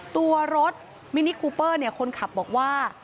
ตัวรถมินิคูเปอร์คนขับบอกว่า